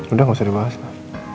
udah gak usah dibahas lah